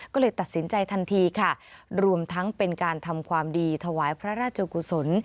ก็เลยตัดสินใจทันทีค่ะรวมทั้งเป็นการทำความดีถวายพระราชกุศล